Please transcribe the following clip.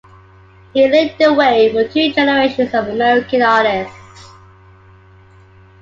He "lit the way for two generations of American artists".